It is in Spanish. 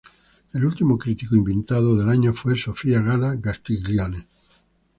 El último crítico invitado del año fue Sofía Gala Castiglione.